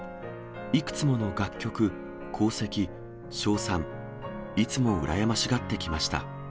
いくつもの楽曲、功績、称賛、いつも羨ましがってきました。